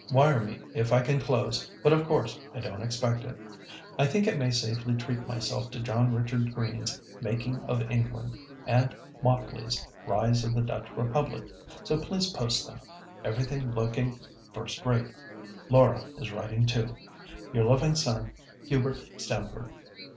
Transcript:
Wire me if I can close, but of course I don't expect it. "I think I may safely treat myself to John Richard Green's Making of England and Motley's Rise of the Dutch Republic, so please post them. Everything looking first rate. Laura is writing too. "Your loving son, HUBERT STAMFORD."